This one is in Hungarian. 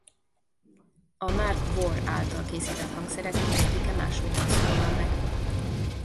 A Mark Warr által készített hangszerek mindegyike máshogyan szólal meg.